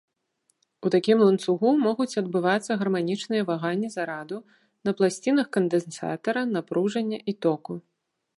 У такім ланцугу могуць адбывацца гарманічныя ваганні зараду на пласцінах кандэнсатара, напружання і току.